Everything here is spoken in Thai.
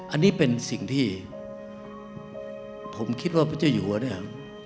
อันนี้เป็นสิ่งที่ผมคิดว่าพระเจ้าอยู่หัวเนี่ย